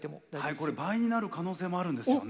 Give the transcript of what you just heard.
これ倍になる可能性もあるんですよね。